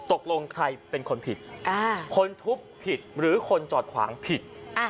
ตกลงใครเป็นคนผิดคนทุบผิดหรือคนจอดขวางผิด